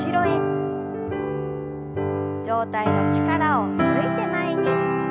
上体の力を抜いて前に。